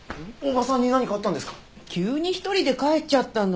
急に一人で帰っちゃったの。